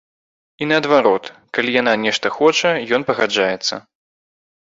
І наадварот, калі яна нешта хоча, ён пагаджаецца.